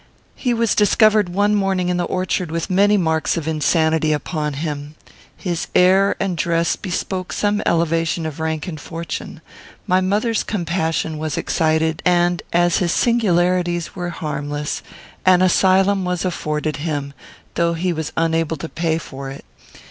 He was discovered one morning in the orchard with many marks of insanity upon him. His air and dress bespoke some elevation of rank and fortune. My mother's compassion was excited, and, as his singularities were harmless, an asylum was afforded him, though he was unable to pay for it.